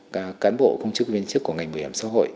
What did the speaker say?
các cán bộ công chức viên chức của ngành bảo hiểm xã hội